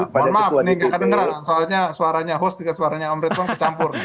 mohon maaf ini nggak kedengeran soalnya suaranya host dengan suaranya pak retuan tercampur